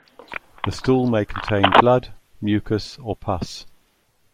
The stool may contain blood, mucus, or pus.